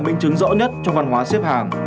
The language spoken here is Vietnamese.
minh chứng rõ nhất trong văn hóa xếp hàng